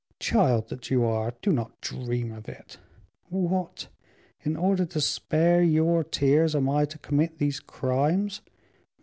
Child that you are, do not dream of it. What! in order to spare your tears am I to commit these crimes?